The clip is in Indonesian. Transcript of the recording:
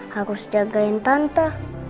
harus jagain tante